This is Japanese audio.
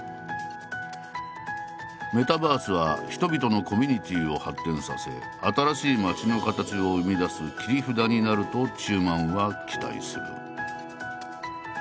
メタバースは人々のコミュニティーを発展させ新しい街の「カタチ」を生み出す切り札になると中馬は期待する。